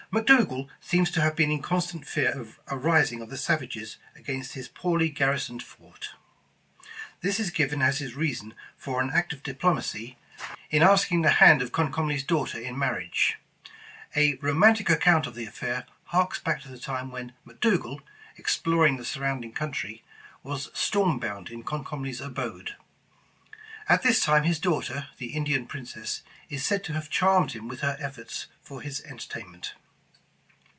McDougal seems to have been in constant fear of a rising of the savages against his poorly garrisoned fort. This is given as his reason for an act of diplomacy, in asking the hand of Comcomly's daughter in marriage. A romantic account of the affair harks back to the time when McDougal, exploring the surrounding coun try, was storm bound in Comcomly's abode. At this time his daughter, the Indian princess, is said to hav<j charmed him with her efforts for his entertainment.